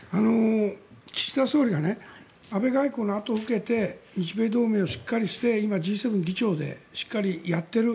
岸田総理が安倍外交の後を受けて日米同盟をしっかりして今、Ｇ７の議長でしっかりやっている。